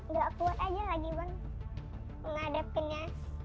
nggak puas aja lagi bang menghadapinya